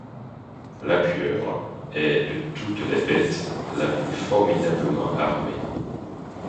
La pieuvre est de toutes les bêtes la plus formidablement armée.